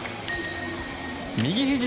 右ひじ